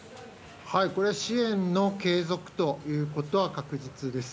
これは支援の継続ということは確実です。